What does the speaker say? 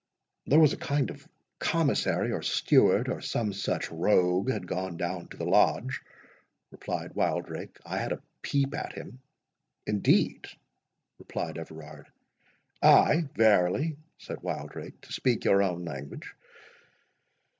"There was a kind of commissary or steward, or some such rogue, had gone down to the Lodge," replied Wildrake; "I had a peep at him." "Indeed!" replied Everard. "Ay, verily," said Wildrake, "to speak your own language.